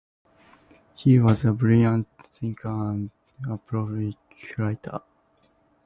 He was a brilliant thinker and a prolific writer.